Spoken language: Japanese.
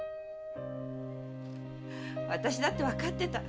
私だってわかってた。